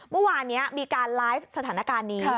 เมื่อวานนี้มีการไลฟ์สถานการณ์นี้